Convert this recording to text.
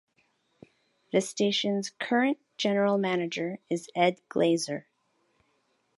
The station's current general manager is Ed Glazer.